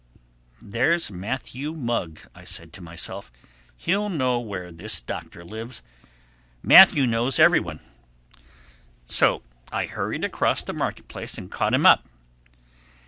"There's Matthew Mugg," I said to myself. "He'll know where this Doctor lives. Matthew knows everyone." So I hurried across the market place and caught him up.